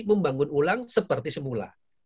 membangun ulang seperti semula